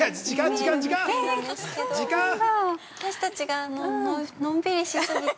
◆私たちがのんびりし過ぎて。